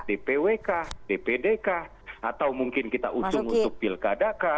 dpwk dpdk atau mungkin kita usung usung pilkadak